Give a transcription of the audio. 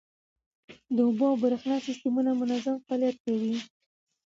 د اوبو او بریښنا سیستمونه منظم فعالیت کوي.